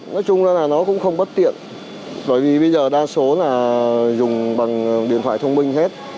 nói chung là nó cũng không bất tiện bởi vì bây giờ đa số là dùng bằng điện thoại thông minh hết